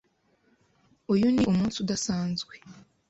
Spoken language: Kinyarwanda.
Uyu ni umunsi udasanzwe.